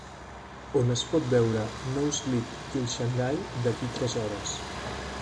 on es pot veure No Sleep til Shanghai d'aquí tres hores